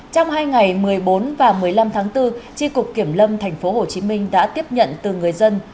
trong hai ngày một mươi bốn và một mươi năm tháng bốn tri cục kiểm lâm tp hcm đã tiếp nhận từ người dân